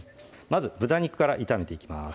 まず豚肉から炒めていきます